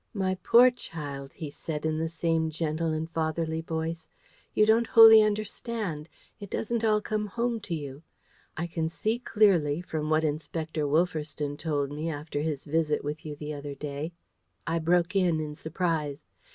"My poor child," he said, in the same gentle and fatherly voice, "you don't wholly understand. It doesn't all come home to you. I can see clearly, from what Inspector Wolferstan told me, after his visit to you the other day " I broke in, in surprise.